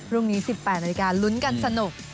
รุ่งนี้๑๘นหลุ้นกันสนุก